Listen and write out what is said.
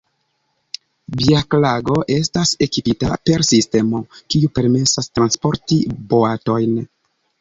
Bajkallago estas ekipita per sistemo, kiu permesas transporti boatojn.